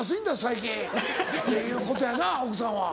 最近っていうことやな奥さんは。